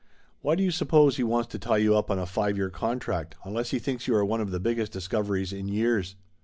Why do you suppose he wants to tie you up on a five year contract, unless he thinks you are one of the biggest discoveries in years